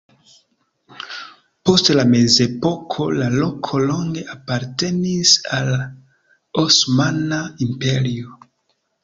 Post la mezepoko la loko longe apartenis al Osmana Imperio.